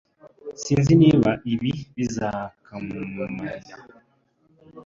Sinzi niba ibi bizakumarira.